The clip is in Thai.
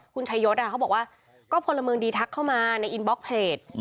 คุณชายศเขาบอกว่าก็พลเมืองดีทักเข้ามาในอินบล็อกเพจ